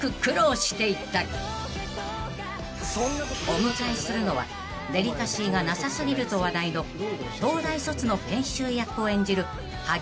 ［お迎えするのはデリカシーがなさ過ぎると話題の東大卒の研修医役を演じる萩原利久さん］